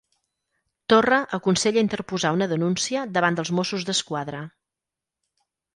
Torra aconsella interposar una denúncia davant dels Mossos d'Esquadra.